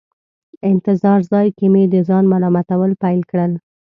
انتظار ځای کې مې د ځان ملامتول پیل کړل.